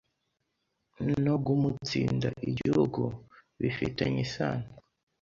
no “guumunsinda Igihugu”bifi ta n y e is a n o